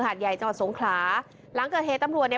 ใหญ่จังหวัดสงขลาหลังเกิดเหตุตำรวจเนี่ย